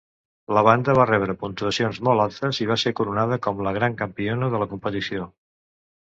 La banda va rebre puntuacions molt altes i va ser coronada com la Gran campiona de la competició.